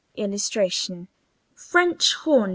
[Illustration: FRENCH HORN.